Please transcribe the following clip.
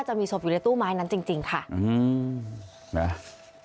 จะมีสบอยู่ในตู้ไม้นั้นจริงเขาอืม